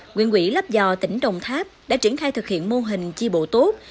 nguyện quỹ lắp dò tỉnh đồng tháp đã triển khai thực hiện mô hình chi bộ tốt